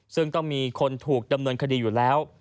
ซึ่งต้องมีคนถูกดำเนินคดีอยู่แล้ว